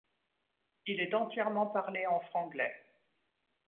Il est entièrement parlé en franglais.